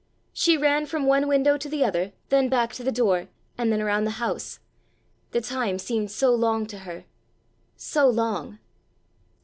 She ran from one window to the other then back to the door, and then around the house. The time seemed so long to her,—so long!